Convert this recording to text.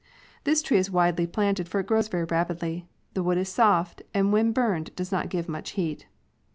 I03 This tree is widely planted for it grows very rapidly. The wood is soft, and when burned does not give much heat.